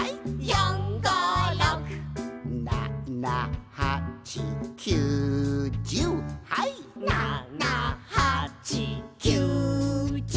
「４５６」「７８９１０はい」「７８９１０」